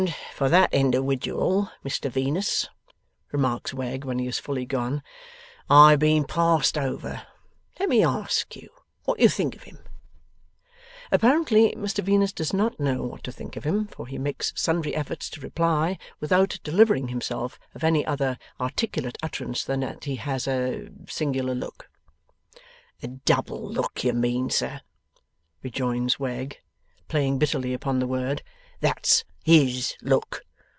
'And for that individual, Mr Venus,' remarks Wegg, when he is fully gone, 'I have been passed over! Let me ask you what you think of him?' Apparently, Mr Venus does not know what to think of him, for he makes sundry efforts to reply, without delivering himself of any other articulate utterance than that he has 'a singular look'. 'A double look, you mean, sir,' rejoins Wegg, playing bitterly upon the word. 'That's HIS look.